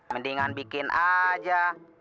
mendingan bikin aja